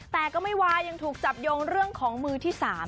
แต่ก็ไม่วายยังถูกจับโยงเรื่องของมือที่๓